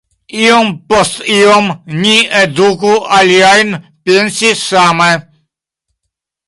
Iom post iom, ni eduku aliajn pensi same.”